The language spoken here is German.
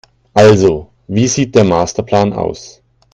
Also, wie sieht der Masterplan aus?